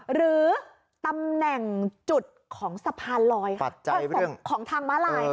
หรือตำแหน่งจุดของสะพานลอยของทางม้าลาย